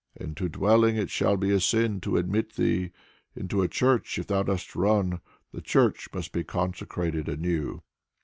Into a dwelling it shall be a sin to admit thee; into a church if thou dost run, the church must be consecrated anew."